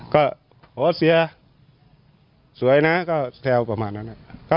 ก็โหเสียสวยนะก็แซวประมาณนั้น